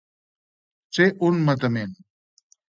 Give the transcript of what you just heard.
Ser un matament.